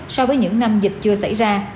so với những năm dịch chưa xảy ra